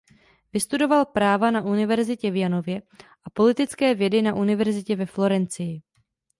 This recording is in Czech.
Vystudoval práva na univerzitě v Janově a politické vědy na univerzitě ve Florencii.